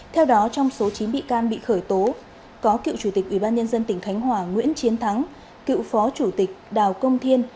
theo đó trong số chín bị can bị khởi tố có cựu chủ tịch ubnd tỉnh khánh hòa nguyễn chiến thắng cựu phó chủ tịch đào công thiên